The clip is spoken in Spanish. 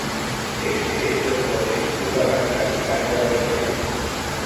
Este hecho pone en duda la veracidad de la versión.